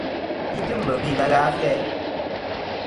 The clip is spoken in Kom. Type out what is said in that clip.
Yi dyɨmlɨ be na gha a fi-æ ?